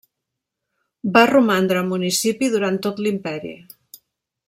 Va romandre municipi durant tot l'imperi.